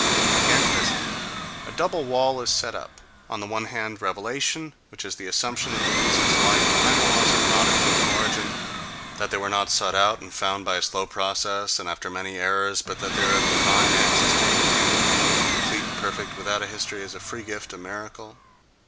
Against this a double wall is set up: on the one hand, revelation, which is the assumption that the reasons lying behind the laws are not of human origin, that they were not sought out and found by a slow process and after many errors, but that they are of divine ancestry, and came into being complete, perfect, without a history, as a free gift, a miracle...